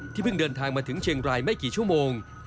เพิ่งเดินทางมาถึงเชียงรายไม่กี่ชั่วโมง